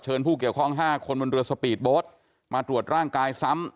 ผู้เกี่ยวข้อง๕คนบนเรือสปีดโบ๊ทมาตรวจร่างกายซ้ำ